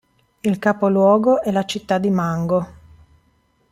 Il capoluogo è la città di Mango.